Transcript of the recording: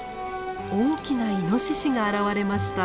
大きなイノシシが現れました。